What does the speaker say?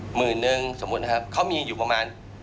หมื่นนึงสมมุตินะครับเขามีอยู่ประมาณ